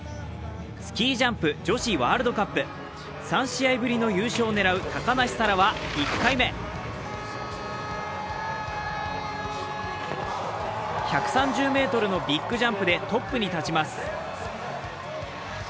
スキージャンプ女子ワールドカップ、３試合ぶりの優勝を狙う高梨沙羅は１回目１３０ｍのビッグジャンプでトップに立ちます。